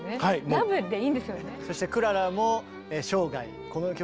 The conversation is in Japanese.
ラブでいいんですよね。